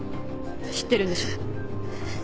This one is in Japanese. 知ってるんでしょ？